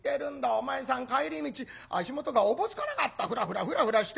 お前さん帰り道足元がおぼつかなかったフラフラフラフラしてさ。